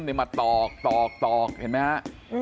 เลยมาตอกเห็นมั้ยฮะ